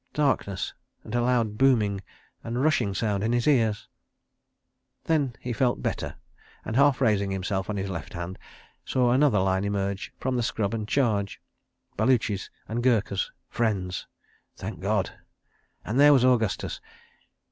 Darkness, and a loud booming and rushing sound in his ears. ... Then he felt better and, half raising himself on his left hand, saw another line emerge from the scrub and charge. ... Baluchis and Gurkhas, friends ... thank God!! And there was Augustus.